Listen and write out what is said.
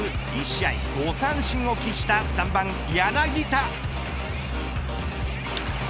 １試合５三振を喫した３番柳田。